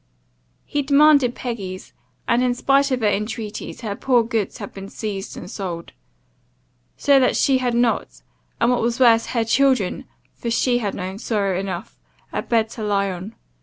"He demanded Peggy's, and, in spite of her intreaties, her poor goods had been seized and sold. So that she had not, and what was worse her children, 'for she had known sorrow enough,' a bed to lie on.